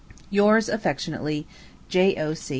Yours affectionately, J.O.